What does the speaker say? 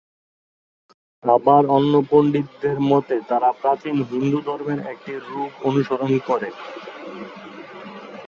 আবার অন্য পণ্ডিতদের মতে, তারা প্রাচীন হিন্দুধর্মের একটি রূপ অনুসরণ করে।